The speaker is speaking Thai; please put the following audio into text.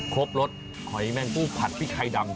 ครบรสหอยแมงกุ้งผัดพริกไทยดำ